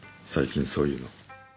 最近そういうの。